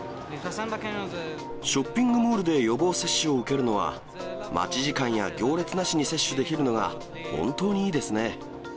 ショッピングモールで予防接種を受けるのは、待ち時間や行列なしに接種できるのが本当にいいですね。